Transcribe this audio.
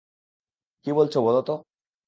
কী বলছো বলো তো?